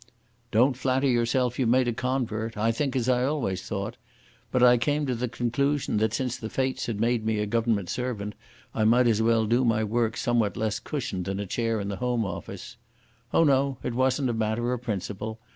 "Don't flatter yourself you've made a convert. I think as I always thought. But I came to the conclusion that since the fates had made me a Government servant I might as well do my work somewhere less cushioned than a chair in the Home Office.... Oh, no, it wasn't a matter of principle.